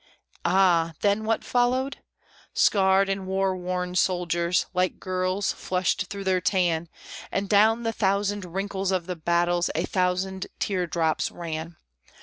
Ah! then what followed? Scarred and war worn soldiers, like girls, flushed through their tan, And down the thousand wrinkles of the battles a thousand tear drops ran.